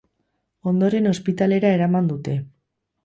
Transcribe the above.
Ondoren ospitalera eraman dute.